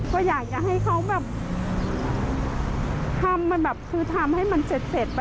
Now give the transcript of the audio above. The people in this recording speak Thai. ก็อยากจะให้เขาแบบทำให้มันเสร็จไปซักทีอะไรอย่างนี้ค่ะ